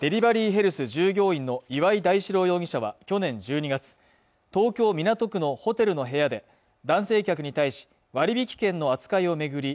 ヘルス従業員の岩井大史朗容疑者は去年１２月東京・港区のホテルの部屋で男性客に対し割引券の扱いを巡り